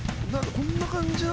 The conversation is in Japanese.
こんな感じなの？